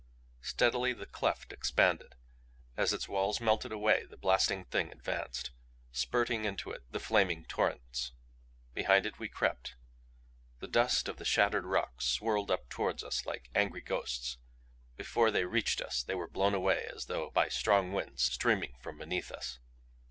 Steadily the cleft expanded. As its walls melted away the Blasting Thing advanced, spurting into it the flaming torrents. Behind it we crept. The dust of the shattered rocks swirled up toward us like angry ghosts before they reached us they were blown away as though by strong winds streaming from beneath us.